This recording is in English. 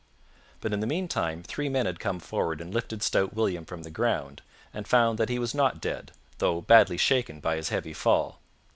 But in the meantime three men had come forward and lifted stout William from the ground and found that he was not dead, though badly shaken by his heavy fall.